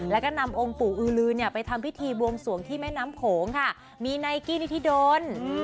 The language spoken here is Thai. และงงพิธีบวงสวงที่แม่น้ำโผงมีไนกี้นิธิโดนเนี่ย